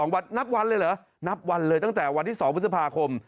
นับวันเลยเหรอนับวันเลยตั้งแต่วันที่๒พฤษภาคม